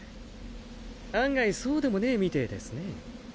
案外そうでもねえみてえですね。